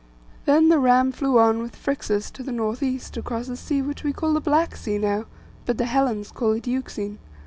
Then the ram flew on with Phrixus to the north east across the sea which we call the Black Sea now; but the Hellens call it Euxine.